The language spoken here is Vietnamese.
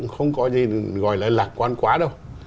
không có gì gọi là lạc quan quá đâu